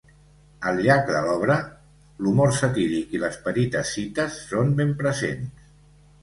Al llarg de l'obra l'humor satíric i les petites cites són ben presents.